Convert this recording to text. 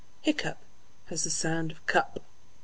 Hiccough has the sound of "cup"......